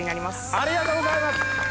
ありがとうございます！